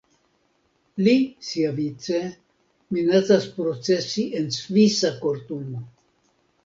Li siavice minacas procesi en svisa kortumo.